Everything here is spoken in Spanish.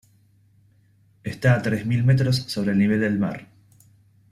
Está a tres mil metros sobre el nivel del mar.